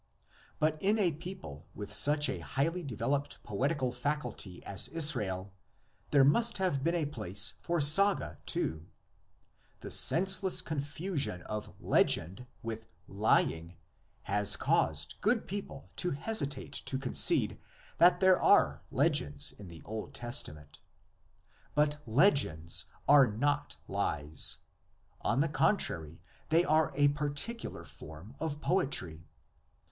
But in a people with such a highly developed poetical faculty as Israel there must have been a place for saga too. The senseless confusion of "legend" with "lying" has caused good people to SIGNIFICANCE OF THE LEGENDS. 3 hesitate to concede that there are legends in the Old Testament. But legends are not lies; on the contrary, they are a particular form of poetry.